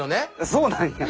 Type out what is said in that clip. そうなんや。